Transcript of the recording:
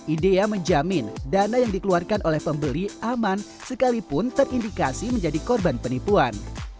idea menjamin dana yang dikeluarkan oleh pembeli aman sekalipun terindikasi menjadi korban penipuan